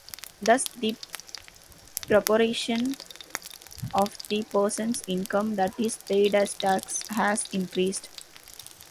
Thus the proportion of the person's income that is paid as tax has increased.